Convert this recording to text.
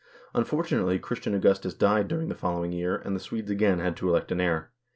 Unfortunately Christian Augustus died during the following year, and the Swedes again had to elect an heir.